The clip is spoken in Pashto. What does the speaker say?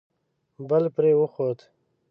بل پرې وخوت.